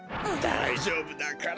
だいじょうぶだから。